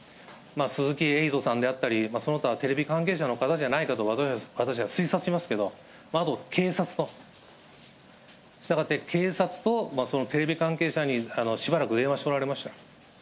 鈴木エイトさんであったり、その他、テレビ関係者の方じゃないかと私は推察しますけど、あと警察と、したがって警察とテレビ関係者にしばらく電話しておられました。